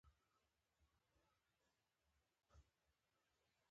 یا خو مطلق ملایان نه وو.